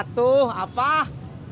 ternyata cowok yang kemarin buncengin citi